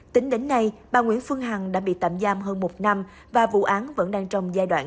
tính đến nay bà nguyễn phương hằng đã bị tạm giam hơn một năm và vụ án vẫn đang trong giai đoạn